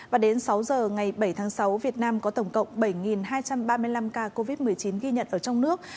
và đến sáu giờ ngày bảy tháng sáu việt nam có tổng cộng bảy hai trăm ba mươi năm ca covid một mươi chín ghi nhận ở trong nước